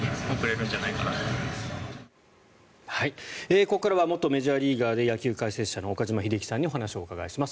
ここからは元メジャーリーガーで野球解説者の岡島秀樹さんにお話をお伺いします。